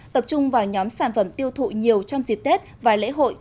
tập trung vào nhóm sản phẩm tiêu thụ nhiều trong dịp tết và lễ hội